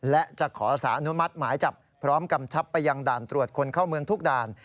และจะขอสารอนุมัติหมายจับพร้อมกำชับไปยังด่านตรวจคนเข้าเมืองทุกด่าน